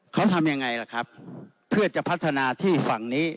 เขาทำยังไงล่ะครับเพื่อจะพัฒนาที่ฝั่งนี้